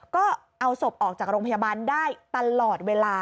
ก็เอาศพออกจากโรงพยาบาลได้ตลอดเวลา